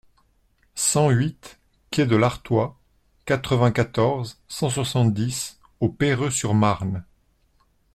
cent huit quai de l'Artois, quatre-vingt-quatorze, cent soixante-dix au Perreux-sur-Marne